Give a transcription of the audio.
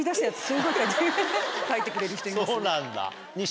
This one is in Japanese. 描いてくれる人いますね。